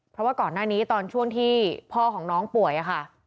เพราะว่าก่อนหน้านี้ตอนช่วงที่พ่อของน้องป่วยค่ะ